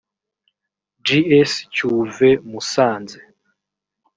g s cyuve musanze